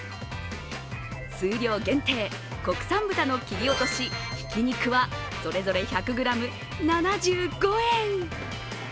数量限定、国産豚の切り落とし、ひき肉はそれぞれ１００ｇ７５円。